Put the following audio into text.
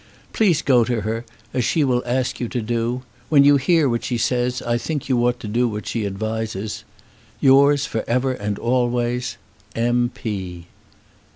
Please go to her, as she will ask you to do. When you hear what she says I think you ought to do what she advises. Yours for ever and always, M. P.